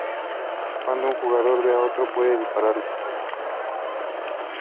Cuando un jugador ve a otro, puede dispararle.